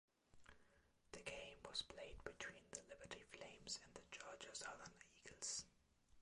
The game was played between the Liberty Flames and the Georgia Southern Eagles.